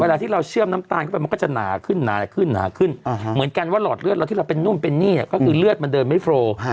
เวลาที่เราเชื่อมน้ำตาลเข้าไปมันก็จะหนาขึ้นหนาขึ้นหนาขึ้นเหมือนกันว่าหลอดเลือดเราที่เราเป็นนู่นเป็นนี่ก็คือเลือดมันเดินไม่โฟร์